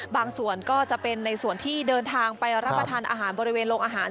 ส่วนใหญ่ก็จะเป็นในส่วนที่เดินทางไปรับประทานอาหารบริเวณโรงอาหาร